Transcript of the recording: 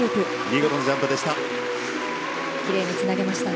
見事なジャンプでした。